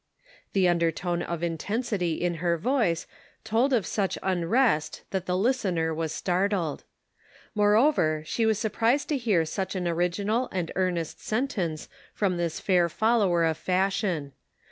The undertone of intensit}* in her voice told of such unrest that the listener was startled. Moreover, she was surprised to hear such an original and earnest sentence from this fair follower of fashion.